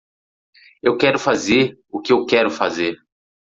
Eu quero fazer o que eu quero fazer.